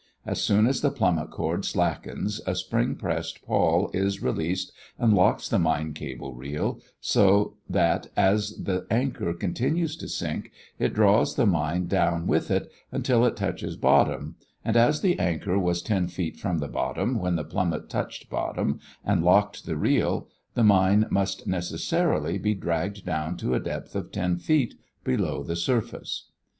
As soon as the plummet cord slackens a spring pressed pawl is released and locks the mine cable reel, so that as the anchor continues to sink it draws the mine down with it, until it touches bottom (6), and as the anchor was ten feet from the bottom when the plummet touched bottom and locked the reel, the mine must necessarily be dragged down to a depth of ten feet below the surface.